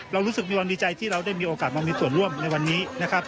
เรารู้สึกมีความดีใจที่เราได้มีโอกาสมามีส่วนร่วมในวันนี้นะครับ